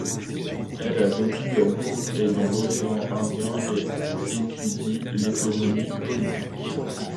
Elle a vécu à Londres et dans l'océan Indien, et étudié l'économie politique.